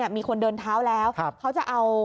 มีคนเดินเท้าแล้วเขาจะเอา